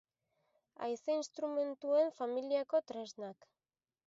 Haize instrumentuen familiako tresnak.